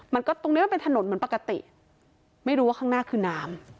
ตรงนี้มันเป็นถนนเหมือนปกติไม่รู้ว่าข้างหน้าคือน้ำ